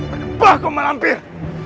bergembah kau melampir